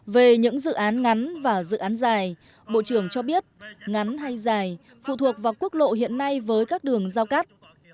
về những dự án ngắn và dự án dài bộ trưởng cho biết ngắn hay dài phụ thuộc vào quốc lộ hiện nay với các đường giao cắt